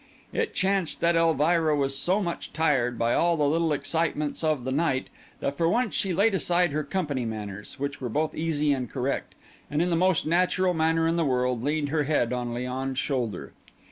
It chanced that Elvira was so much tired by all the little excitements of the night, that for once she laid aside her company manners, which were both easy and correct, and in the most natural manner in the world leaned her head on Léon's shoulder.